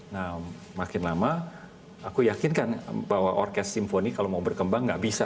nah makin lama aku yakinkan bahwa orkes simfoni kalau mau berkembang nggak bisa